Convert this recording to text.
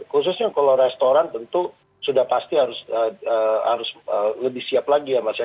khususnya kalau restoran tentu sudah pasti harus lebih siap lagi ya mas ya